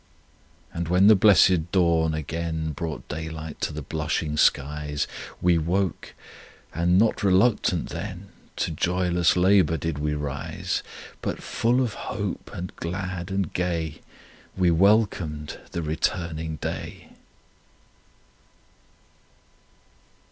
And when the blessed dawn again Brought daylight to the blushing skies, We woke, and not RELUCTANT then, To joyless LABOUR did we rise; But full of hope, and glad and gay, We welcomed the returning day.